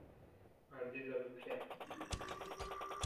Un désaveu clair